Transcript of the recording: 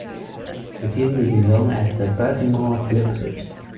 The team will be known as the Baltimore Clippers.